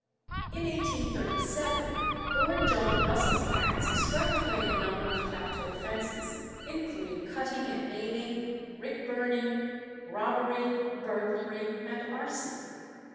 In 1837 Lord John Russell's acts swept away a number of capital offences, including cutting and maiming, rick burning, robbery, burglary, and arson.